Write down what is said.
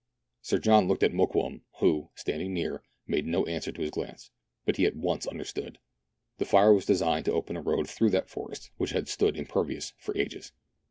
Sir John looked at Mokoum, who, standing near, made no answer to his glance ; but he at once understood. The fire was designed to open a road through that forest which had stood impervious for ages.